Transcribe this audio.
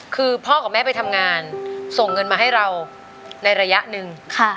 คือพ่อกับแม่ไปทำงานส่งเงินมาให้เราในระยะหนึ่ง